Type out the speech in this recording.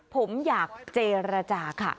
ผมอยากเจรจาค่ะ